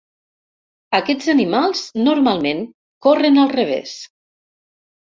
Aquests animals normalment corren al revés.